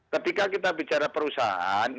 ketika kita bicara perusahaan